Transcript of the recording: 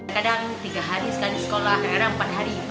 kadang tiga hari sekali sekolah kadang kadang empat hari